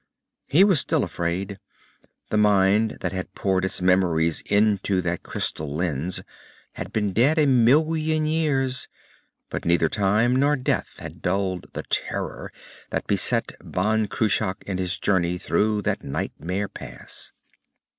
_ He was still afraid. The mind that had poured its memories into that crystal lens had been dead a million years, but neither time nor death had dulled the terror that beset Ban Cruach in his journey through that nightmare pass.